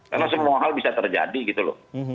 karena semua hal bisa terjadi gitu loh